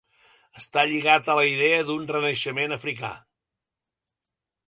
Està lligat a la idea d'un Renaixement africà.